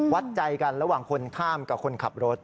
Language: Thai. วัดใจกันระหว่างคนข้ามกับคนขับรถ